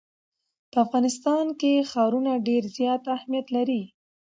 په افغانستان کې ښارونه ډېر زیات اهمیت لري.